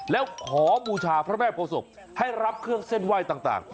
แล้วขอบูชาพระแม่โภษกให้รับเครื่องเส้นไหว้ต่าง